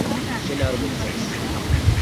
შენ არ მოგწონს